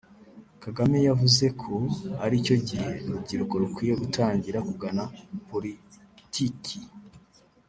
Kagame yavuze ko ari cyo gihe urubyiruko rukwiye gutangira kugana politki